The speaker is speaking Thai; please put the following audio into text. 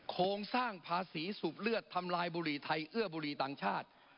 โครงสร้างภาษีสูบเลือดทำลายบุหรี่ไทยเอื้อบุรีต่างชาติ